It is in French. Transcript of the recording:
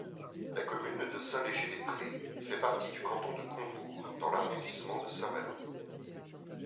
La commune de Saint-Léger-des-Prés fait partie du canton de Combourg, dans l'arrondissement de Saint-Malo.